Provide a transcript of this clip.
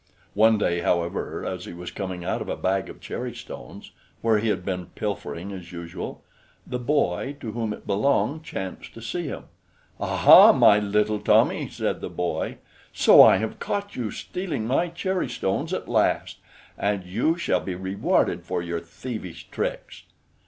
One day, however, as he was coming out of a bag of cherry stones, where he had been pilfering as usual, the boy to whom it belonged chanced to see him. "Ah, ha! my little Tommy," said the boy, "so I have caught you stealing my cherry stones at last, and you shall be rewarded for your thievish tricks."